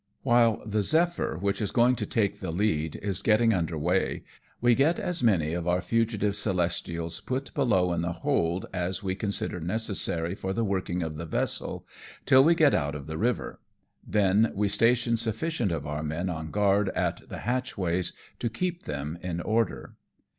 While the Zephyr, which is going to take the lead, is getting under weigh, we get as many of our fugitive Celestials put below in the hold as we consider necessary for the working of the vessel, till we get out of the river; then we station sufiBcient of our men 236 AMONG TYPHOONS AND PIRATE CRAFT. on guard at the hatchways, to keep them in order.